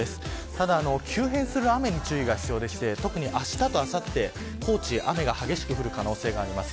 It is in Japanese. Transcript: ただ急変する雨に注意が必要で特にあしたとあさって、高知雨が激しく降る可能性があります。